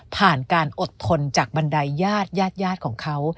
ผ่านการอดทนจากบันไดญาติญาติของเขา